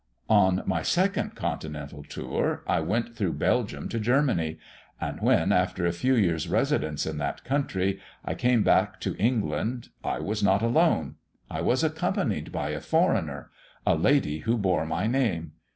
"On my second continental tour, I went through Belgium to Germany, and when, after a few years' residence in that country, I came back to England, I was not alone. I was accompanied by a foreigner a lady who bore my name.